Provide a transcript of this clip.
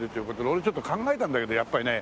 俺ちょっと考えたんだけどやっぱりね